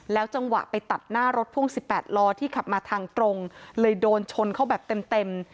จังหวะไปตัดหน้ารถพ่วง๑๘ล้อที่ขับมาทางตรงเลยโดนชนเข้าแบบเต็ม